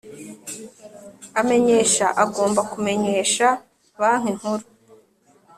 amenyesha agomba kumenyesha Banki Nkuru